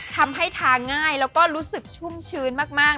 ทาง่ายแล้วก็รู้สึกชุ่มชื้นมาก